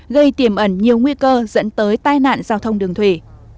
gây tiềm ẩn nhiều nguy cơ dẫn tới tai nạn giao thông đường thủy